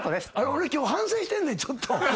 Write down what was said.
俺今日反省してんねんちょっと。